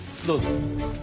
どうぞ。